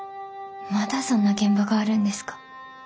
まだそんな現場があるんですか？